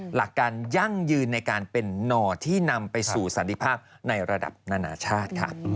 หลักการยั่งยืนในการเป็นนอที่นำไปสู่สันติภาพในระดับนานาชาติค่ะ